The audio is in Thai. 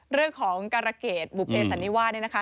เรื่องของการราเกตบุพเพศสันนิวาเนี่ยนะคะ